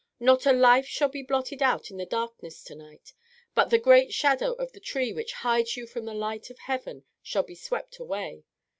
Not a life shall be blotted out in the darkness to night; but the great shadow of the tree which hides you from the light of heaven shall be swept away.